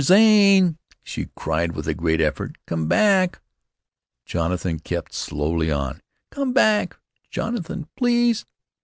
Zane," she cried with a great effort. "Come back." Jonathan kept slowly on. "Come back, Jonathan, please."